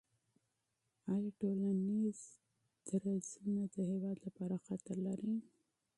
آیا ټولنیز درزونه د هېواد لپاره خطر لري؟